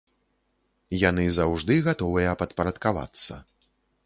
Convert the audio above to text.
Яны заўжды гатовыя падпарадкавацца.